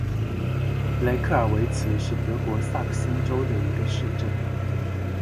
雷克尔维茨是德国萨克森州的一个市镇。